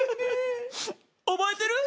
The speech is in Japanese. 覚えてる？